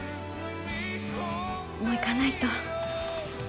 もう行かないと。